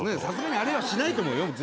さすがにあれはしないと思うよ。